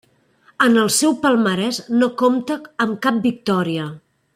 En el seu palmarès no compta amb cap victòria.